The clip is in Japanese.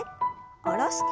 下ろして。